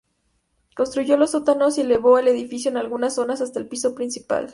Construyó los sótanos y elevó el edificio en algunas zonas hasta el piso principal.